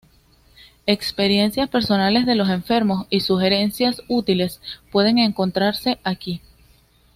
Experiencias personales de los enfermos y sugerencias útiles pueden encontrarse aquí